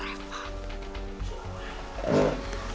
tapi aku gak akan biarin